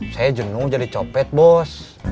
saya jenuh jadi copet bos